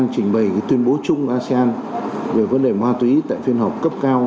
về tuyên bố chung asean về vấn đề ma túy tại phiên họp cấp cao